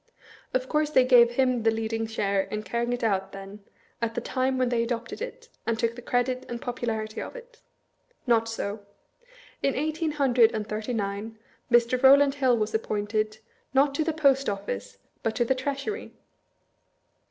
Of course they gave him the leading share in carrying it out, then, at the time when they adopted it, and took the credit and popularity of it? Not so. In eighteen hundred and thirty nine, Mr. Row land HOI was appointed — not to the Post Office, but to the Treasury.